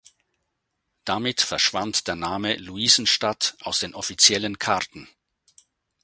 Damit verschwand der Name Luisenstadt aus den offiziellen Karten.